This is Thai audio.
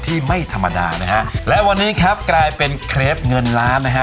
ที่ไม่ธรรมดานะฮะและวันนี้ครับกลายเป็นเครปเงินล้านนะฮะ